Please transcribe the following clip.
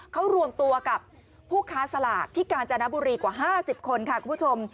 เขารวมตัวกับผู้ค้าสลากที่กาญจนบุรีกว่า๕๐คนค่ะคุณผู้ชม